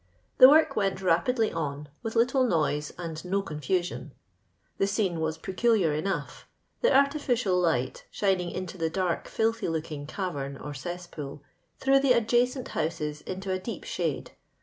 The work went rapidly on, with little noise and no confusion. The scene was peculiar enough. The arti ficial light, shining into the dark filthy looking cavern or cesspool, threw the adjacent houses into a deep shade.